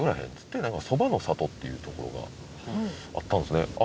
っつってなんかそばのさとっていう所があったんですね。